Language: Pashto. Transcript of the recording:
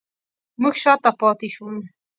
موږ شاته پاتې شوو